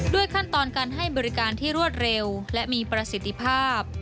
ขั้นตอนการให้บริการที่รวดเร็วและมีประสิทธิภาพ